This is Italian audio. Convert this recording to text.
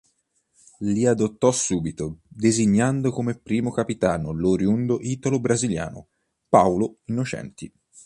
Il la adottò subito, designando come primo capitano l'oriundo italo-brasiliano Paulo Innocenti.